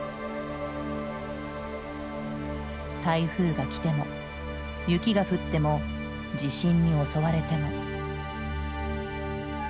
台風がきても雪が降っても地震に襲われても。